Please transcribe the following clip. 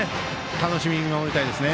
楽しみに見守りたいですね。